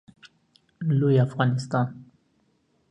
لوی افغانستان